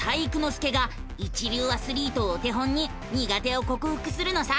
介が一流アスリートをお手本に苦手をこくふくするのさ！